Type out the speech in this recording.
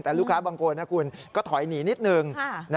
แต่ลูกค้าบางคนก็ถอยหนีนิดหนึ่ง